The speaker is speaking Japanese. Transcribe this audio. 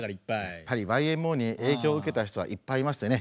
いっぱいＹＭＯに影響を受けた人はいっぱいいましてね